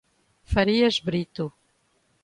Farias Brito